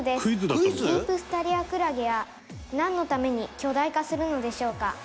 「ディープスタリアクラゲはなんのために巨大化するのでしょうか？」